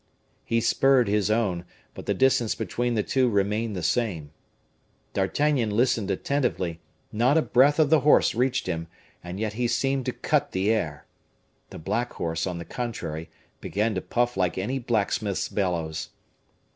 He spurred his own, but the distance between the two remained the same. D'Artagnan listened attentively; not a breath of the horse reached him, and yet he seemed to cut the air. The black horse, on the contrary, began to puff like any blacksmith's bellows.